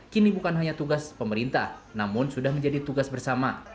kini bukan hanya tugas pemerintah namun sudah menjadi tugas bersama